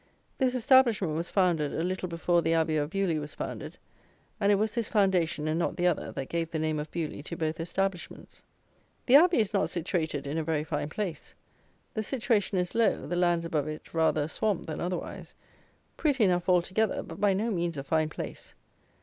This establishment was founded a little before the Abbey of Beaulieu was founded; and it was this foundation and not the other that gave the name of Beaulieu to both establishments. The Abbey is not situated in a very fine place. The situation is low; the lands above it rather a swamp than otherwise; pretty enough altogether; but by no means a fine place.